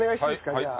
じゃあ。